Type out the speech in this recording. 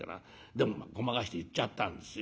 でもごまかして結っちゃったんですよ。